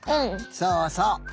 そうそう。